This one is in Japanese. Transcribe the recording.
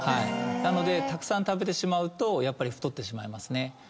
なのでたくさん食べてしまうとやっぱり太ってしまいますね。